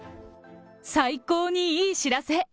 最高にいい知らせ。